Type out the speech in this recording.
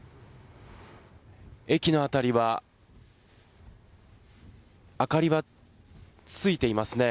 駅の辺りは明かりはついていますね。